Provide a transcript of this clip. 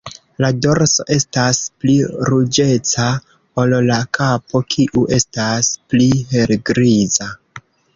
La dorso estas pli ruĝeca ol la kapo, kiu estas pli helgriza.